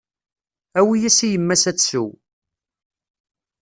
Awi-yas i yemma-s ad tsew.